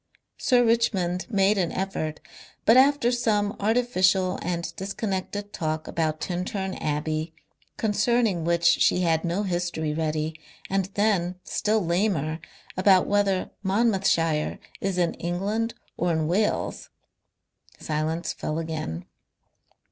Sir Richmond made an effort, but after some artificial and disconnected talk about Tintern Abbey, concerning, which she had no history ready, and then, still lamer, about whether Monmouthshire is in England or Wales, silence fell again.